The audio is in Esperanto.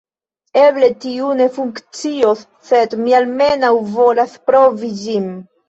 Eble tiu ne funkcios sed mi almenaŭ volas provi ĝin